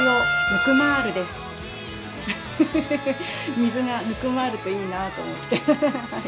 水がぬくまるといいなと思って。